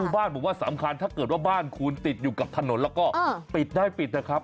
บ้านบอกว่าสำคัญถ้าเกิดว่าบ้านคุณติดอยู่กับถนนแล้วก็ปิดได้ปิดนะครับ